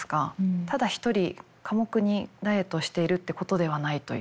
ただ一人寡黙にダイエットをしているということではないという。